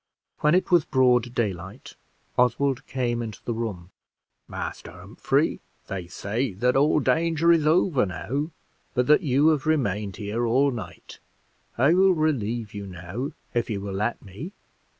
When it was broad daylight, Oswald came into the room: "Master Humphrey, they say that all danger is over now, but that you have remained here all night. I will relieve you now if you will let me.